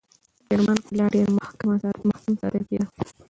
د کرمان قلعه ډېر محکم ساتل کېده.